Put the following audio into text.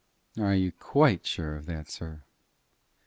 "Are you quite sure of that, sir?"